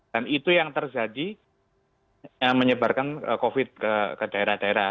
dan itu yang terjadi yang menyebarkan covid ke daerah daerah